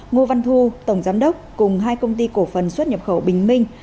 ngô văn thu tổng giám đốc cùng hai công ty cổ phần xuất nhập khẩu bình minh